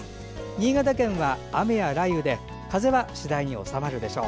新潟県は雨や雷雨で風は次第に収まるでしょう。